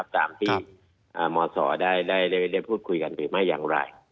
ตามที่มศได้เรียนพูดคุยกันกันมาอย่างไร